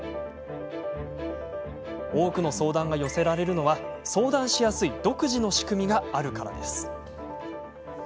多くの相談が寄せられるのは相談しやすい独自の仕組みがあるから。